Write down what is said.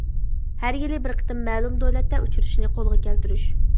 ھەر يىلى بىر قېتىم مەلۇم دۆلەتتە ئۇچرىشىشنى قولغا كەلتۈرۈش.